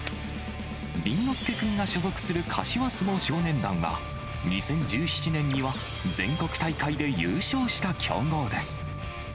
倫之亮君が所属する柏相撲少年団は、２０１７年には全国大会で優勝した強豪です。